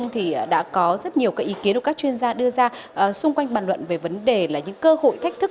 thì đã có rất nhiều các ý kiến của các chuyên gia đưa ra xung quanh bàn luận về vấn đề là những cơ hội thách thức